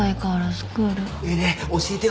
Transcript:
ねえねえ教えてよ